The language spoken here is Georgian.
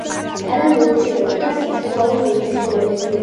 ტანად მომცრო და საშუალო ზომის ცხოველებია.